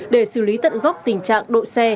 để xử lý tận gốc tình trạng độ xe